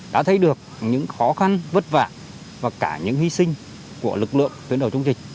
đã thấy được những khó khăn vất vả và cả những hy sinh của lực lượng tuyến đầu chống dịch